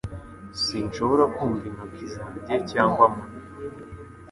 Sinshobora kumva intoki zanjye cyangwa amano